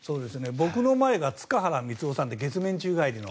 僕の前が塚原光男さん、月面宙返りの。